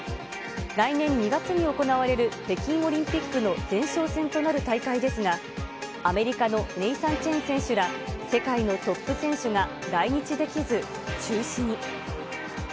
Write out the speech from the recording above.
来年２月に行われる北京オリンピックの前哨戦となる大会ですが、アメリカのネイサン・チェン選手ら世界のトップ選手が来日できず、中止に。